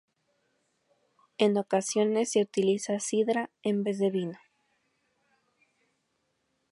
En ocasiones se utiliza sidra en vez de vino.